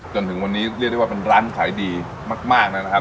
จนถึงวันนี้เรียกได้ว่าเป็นร้านขายดีมากนะครับ